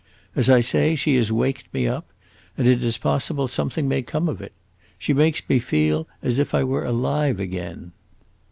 As I say, she has waked me up, and it is possible something may come of it. She makes me feel as if I were alive again.